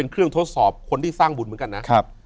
คนที่สร้างบุญเหมือนกันนะ